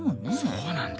そうなんだ。